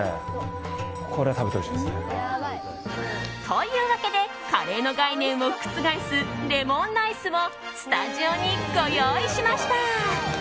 というわけでカレーの概念を覆すレモンライスをスタジオにご用意しました。